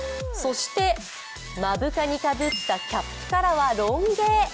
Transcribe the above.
そして目深にかぶったキャップからはロン毛。